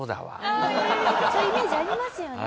そういうイメージありますよね。